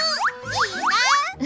いいな！